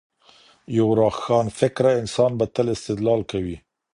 یو روښانه فکره انسان به تل استدلال کوي.